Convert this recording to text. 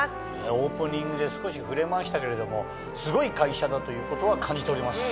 オープニングで少し触れましたけれどもすごい会社だということは感じております。